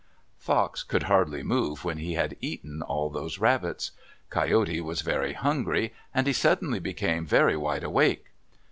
Fox could hardly move when he had eaten all those rabbits. Coyote was very hungry, and he suddenly became very wide awake.